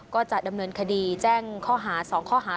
ก็จะดำเนินคดีแจ้งข้อหา๒ข้อหา